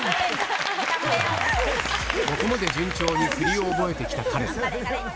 ここまで順調に振りを覚えてきたカレン。